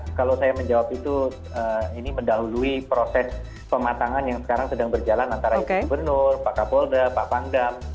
ya kalau saya menjawab itu ini mendahului proses pematangan yang sekarang sedang berjalan antara ibu gubernur pak kapolda pak pangdam